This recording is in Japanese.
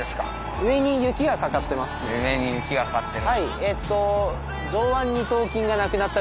上に雪がかかってる。